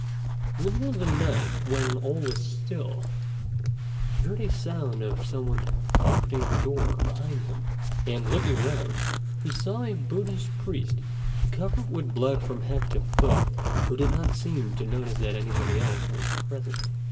In the middle of the night, when all was still, he heard a sound of some one opening the door behind him; and looking round, he saw a Buddhist priest, covered with blood from head to foot, who did not seem to notice that anybody else was present.